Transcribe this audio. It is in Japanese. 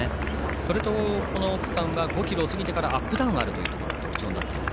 それとこの区間は５ｋｍを過ぎてからアップダウンがあるのが特徴になっています。